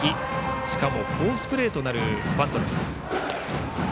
しかもフォースプレーとなるバントです。